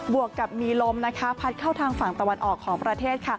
วกกับมีลมพัดเข้าทางฝั่งตะวันออกของประเทศ